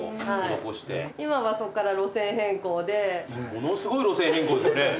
ものすごい路線変更ですよね。